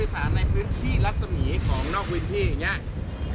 ผู้โดยสารในพื้นที่ลักษณีย์ของนอกวินที่อย่างนี้